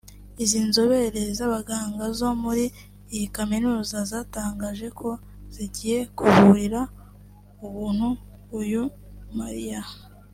Izi nzobere z’abaganga zo muri iyi kaminuza zatangaje ko zigiye kuvurira ubuntu uyu Maria